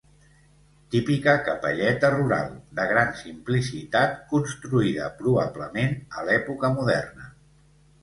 Típica capelleta rural, de gran simplicitat, construïda probablement a l'època moderna.